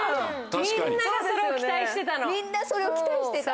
みんなそれを期待してた。